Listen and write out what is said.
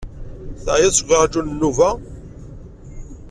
Teɛyiḍ seg uraju n nnuba?